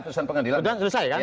pertusan pengadilan selesai kan